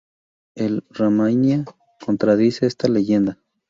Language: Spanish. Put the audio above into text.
El "Ramaiana" contradice esta leyenda.